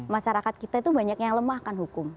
masyarakat kita itu banyak yang lemah kan hukum